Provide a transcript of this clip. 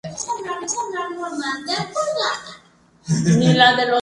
Tuvo un papel en la película "Cotton Club", dirigida por Francis Ford Coppola.